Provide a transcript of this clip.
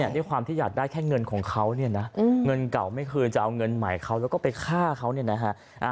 ด้วยความที่อยากได้แค่เงินของเขาเนี่ยนะเงินเก่าไม่คืนจะเอาเงินใหม่เขาแล้วก็ไปฆ่าเขาเนี่ยนะฮะ